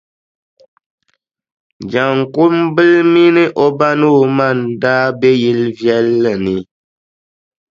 Jaŋkumbila mini o ba ni o ma n-daa be yili viɛlli ni.